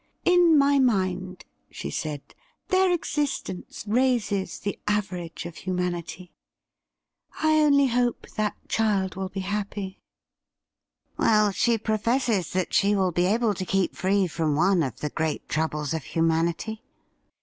' In my mind,' she said, ' their existence raises the average of humanity. I only hope that child will be happy.' ' Well, she professes that she will be able to keep free from one of the great troubles of humanity.'